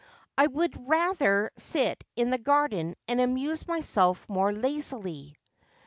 I would rather sit in the garden and amuse myself more lazily.'